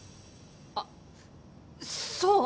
あっそう！